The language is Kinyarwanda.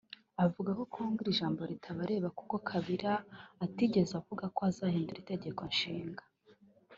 Avuga ko kuri Congo iri jambo ritabareba kuko Kabila atigeze avuga ko azahindura Itegeko Nshinga